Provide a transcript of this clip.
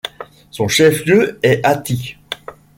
Son chef-lieu est Ati.